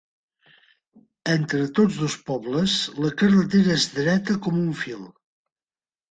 Entre tots dos pobles la carretera és dreta com un fil.